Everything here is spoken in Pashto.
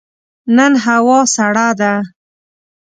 نن هوا سړه ده.